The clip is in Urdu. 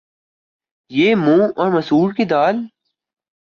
یہ منھ اور مسور کی دال